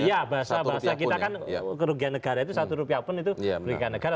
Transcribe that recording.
iya bahasa bahasa kita kan kerugian negara itu satu rupiah pun itu kerugian negara